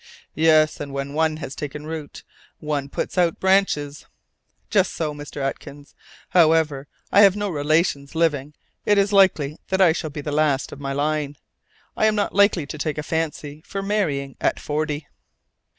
"Yes, and when one has taken root, one puts out branches." "Just so, Mr. Atkins. However, as I have no relations living, it is likely that I shall be the last of my line. I am not likely to take a fancy for marrying at forty."